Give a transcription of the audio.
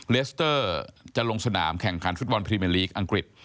เลสเตอร์จะลงสนามแข่งขันฟุตบอลพรีเมอร์ลีกอังกฤษ